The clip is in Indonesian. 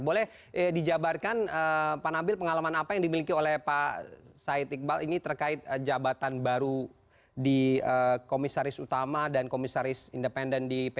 boleh dijabarkan pak nabil pengalaman apa yang dimiliki oleh pak said iqbal ini terkait jabatan baru di komisaris utama dan komisaris independen di p tiga